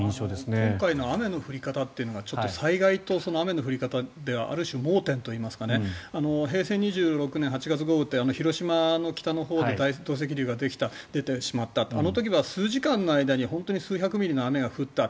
今回の雨の降り方っていうのが災害の雨の降り方である種、盲点といいますか平成２６年８月豪雨って広島の北のほうで土石流が出てしまったあの時は数時間の間に数百ミリの雨が降った。